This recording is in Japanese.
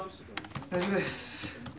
大丈夫です。